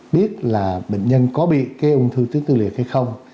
biết là bệnh nhân có bị cái ung thư tuyến liệt hay không